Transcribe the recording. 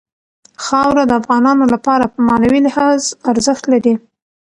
خاوره د افغانانو لپاره په معنوي لحاظ ارزښت لري.